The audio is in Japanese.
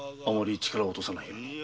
あまり力を落とさないように。